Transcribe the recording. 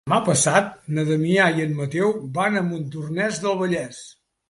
Demà passat na Damià i en Mateu van a Montornès del Vallès.